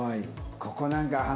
ここなんか。